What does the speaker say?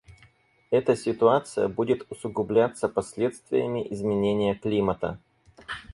Эта ситуация будет усугубляться последствиями изменения климата.